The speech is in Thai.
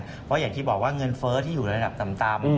เพราะอย่างที่บอกว่าเงินเฟ้อที่อยู่ระดับต่ำ